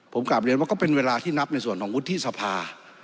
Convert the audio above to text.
ผมกลับเรียนว่าก็เป็นเวลาที่นับในส่วนของวุฒิสภา